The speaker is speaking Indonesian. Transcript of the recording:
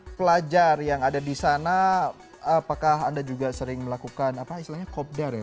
jadi kalau ada bajar yang ada di sana apakah anda juga sering melakukan kopidar ya